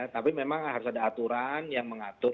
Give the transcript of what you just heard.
tapi memang harus ada aturan yang mengatur